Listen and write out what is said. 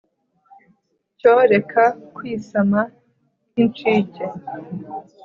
cyo reka kwisama nk' incike